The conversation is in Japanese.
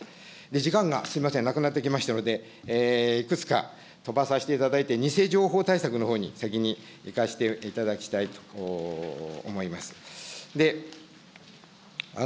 時間がすみません、なくなってきましたので、いくつか飛ばさせていただいて、偽情報対策のほうに先にいかせていただきたいと思います。